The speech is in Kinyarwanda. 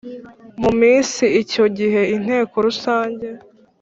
Mu minsi icyo gihe inteko rusange